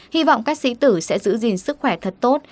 hy vọng các sĩ tử sẽ giữ gìn sức khỏe thật tốt